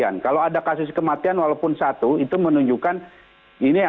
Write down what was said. jadi kalau itu sudah terpenuhi dan juga sudah bergumlah didalam keanginan